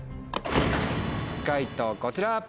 解答こちら！